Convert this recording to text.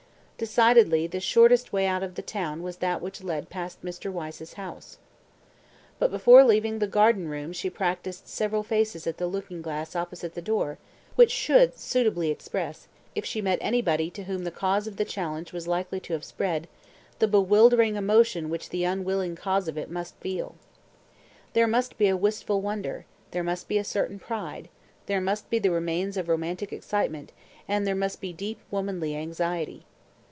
... Decidedly the shortest way out of the town was that which led past Mr. Wyse's house. But before leaving the garden room she practised several faces at the looking glass opposite the door, which should suitably express, if she met anybody to whom the cause of the challenge was likely to have spread, the bewildering emotion which the unwilling cause of it must feel. There must be a wistful wonder, there must be a certain pride, there must be the remains of romantic excitement, and there must be deep womanly anxiety.